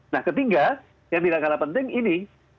nah ketiga yang tidak kalah penting ini